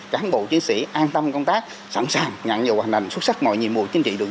cán bộ chiến sĩ an tâm công tác sẵn sàng nhận và hoàn thành xuất sắc mọi nhiệm vụ chính trị được